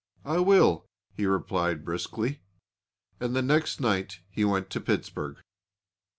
'I will,' he replied briskly and the next night he went to Pittsburg."